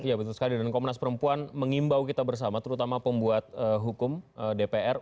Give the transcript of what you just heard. iya betul sekali dan komnas perempuan mengimbau kita bersama terutama pembuat hukum dpr